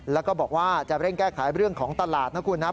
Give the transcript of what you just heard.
แล้วก็บอกว่าจะเร่งแก้ไขเรื่องของตลาดนะครับ